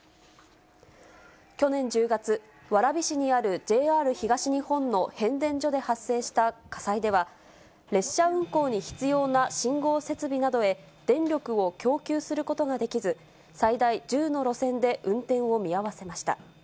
去年１０月、蕨市にあるＪＲ東日本の変電所で発生した火災では、列車運行に必要な信号設備などへ電力を供給することができず、最大１０の路線で運転を見合わせました。